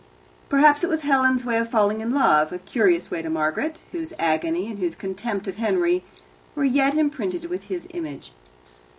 Perhaps it was Helen's way of falling in love a curious way to Margaret, whose agony and whose contempt of Henry were yet imprinted with his image.